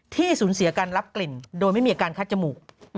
ที่สูญเสียการรับกลิ่นโดยไม่มีอาการคัดจมูก